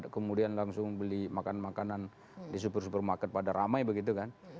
kemudian langsung beli makanan makanan di super supermarket pada ramai begitu kan